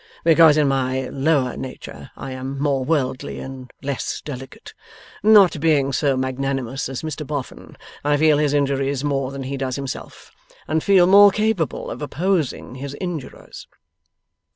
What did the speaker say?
Because, in my lower nature I am more worldly and less delicate. Not being so magnanimous as Mr Boffin, I feel his injuries more than he does himself, and feel more capable of opposing his injurers.